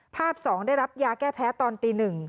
๒ได้รับยาแก้แพ้ตอนตี๑